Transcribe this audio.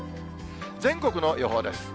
全国の予報です。